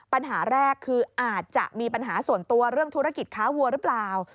ปัญหาแรกคืออาจจะมีปัญหาส่วนตัวเรื่องธุรกิจค้าวัวหรือเปล่า